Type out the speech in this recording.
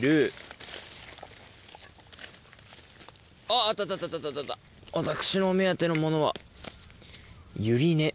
あっあったあった私のお目当てのものは。